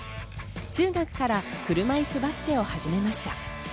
中学から車いすバスケを始めました。